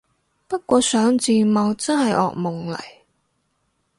不過上字幕真係惡夢嚟